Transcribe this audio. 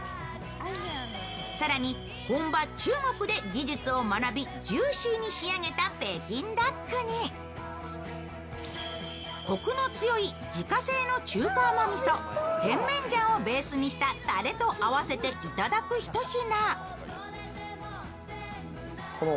更に、本場・中国で技術を学びジューシーに仕上げた北京ダックに、コクの強い自家製の中華甘みそテンメンジャンをベースにしたタレと合わせていただくひと品。